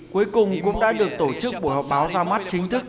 cuối cùng cũng đã được tổ chức buổi họp báo ra mắt chính thức